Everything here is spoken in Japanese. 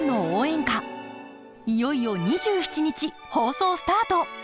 いよいよ２７日放送スタート。